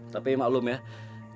tapi maklum ya